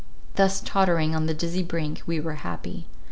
Thus tottering on the dizzy brink, we were happy.